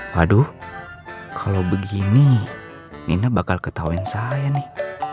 waduh kalau begini nina bakal ketahuan saya nih